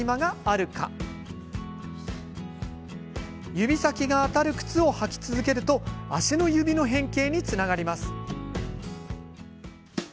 指先が当たる靴を履き続けると足の指の変形につながります。